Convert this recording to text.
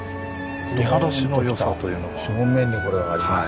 正面にこれがあります。